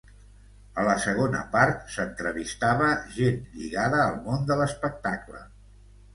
A la segona part s'entrevistava gent lligada al món de l'espectacle.